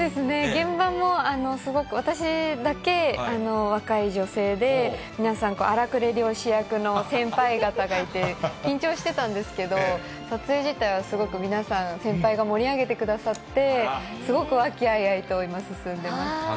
現場もすごく、私だけ若い女性で、皆さん、荒くれ漁師役の先輩方がいて、緊張してたんですけど、撮影自体はすごく皆さん、先輩が盛り上げてくださって、すごく和気あいあいと、今、進んでいます。